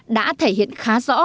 đã thể hiện khá rõ